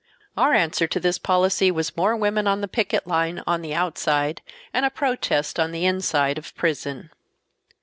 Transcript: Our answer to this policy was more women on the picket line, on the outside, and a protest on the inside of prison.